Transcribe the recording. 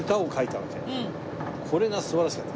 これが素晴らしかった。